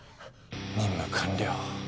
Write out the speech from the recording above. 任務完了。